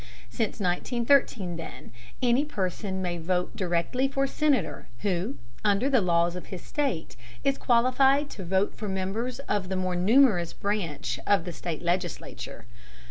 Since 1913, then, any person may vote directly for Senator who, under the laws of his state, is qualified to vote for members of the more numerous branch of the state legislature.